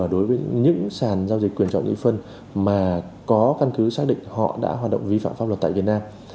đối với những sàn giao dịch quyền chọn nhị phân mà có căn cứ xác định họ đã hoạt động vi phạm pháp luật tại việt nam